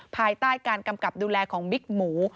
ภายใต้การกำกับดูแลของบิ๊กหมู